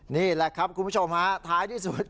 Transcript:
นี่แหละครับคุณผู้ชมฮะท้ายที่สุด